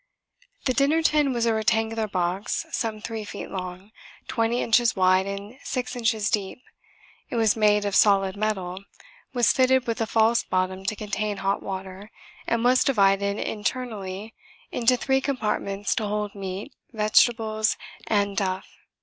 The dinner tin was a rectangular box some three feet long, twenty inches wide and six inches deep. It was made of solid metal, was fitted with a false bottom to contain hot water, and was divided internally into three compartments to hold meat, vegetables and duff.